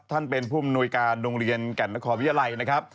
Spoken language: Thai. ท่านเป็นผู้มนุยการโรงเรียนแก่นนครวิทยาลัยนะครับ